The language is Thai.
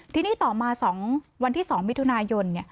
ทีนี้ต่อมา๒วันที่๒มิถุนายน